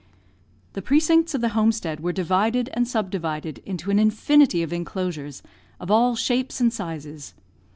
The precincts of the homestead were divided and subdivided into an infinity of enclosures, of all shapes and sizes.